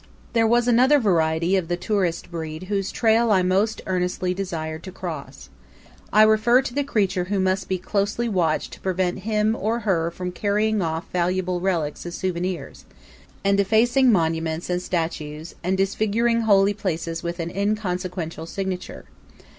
There was another variety of the tourist breed whose trail I most earnestly desired to cross. I refer to the creature who must be closely watched to prevent him, or her, from carrying off valuable relics as souvenirs, and defacing monuments and statues and disfiguring holy places with an inconsequential signature.